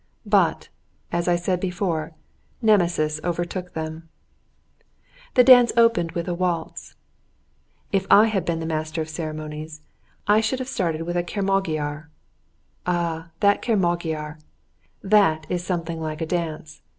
But, as I said before, Nemesis overtook them. The dance opened with a waltz. If I had been master of the ceremonies, I should have started with a körmagyar. Ah! that körmagyar. That is something like a dance.